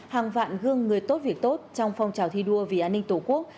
hàng vạn gương người tốt việc tốt trong phong trào thi đua vì an ninh tổ quốc